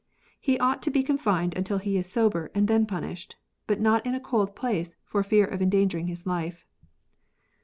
He ought to be confined until he is sober and then punished ; but not in a cold place for fear of en dangering his life.